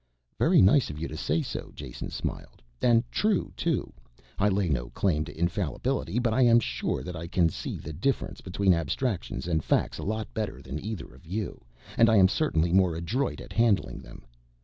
"Very nice of you to say so," Jason smiled. "And true, too. I lay no claims to infallibility but I am sure that I can see the difference between abstractions and facts a lot better than either of you, and I am certainly more adroit at handling them.